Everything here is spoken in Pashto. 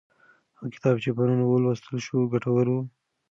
هغه کتاب چې پرون ولوستل شو ګټور و.